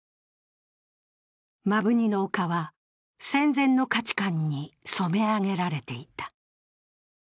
摩文仁の丘は戦前の価値観に染め上げられていた。